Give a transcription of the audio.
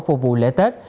phục vụ lễ tết